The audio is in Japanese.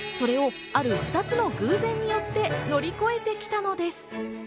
それをある２つの偶然によって乗り越えてきたのです。